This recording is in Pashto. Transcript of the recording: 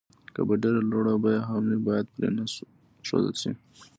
که په ډېره لوړه بيه هم وي بايد پرې نه ښودل شي.